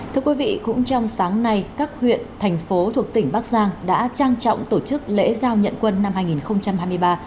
thưa quý vị cũng trong sáng nay các huyện thành phố thuộc tỉnh bắc giang đã trang trọng tổ chức lễ giao nhận quân năm hai nghìn hai mươi ba